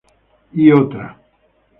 Y otra.